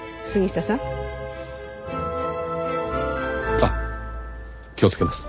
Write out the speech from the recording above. あっ気をつけます。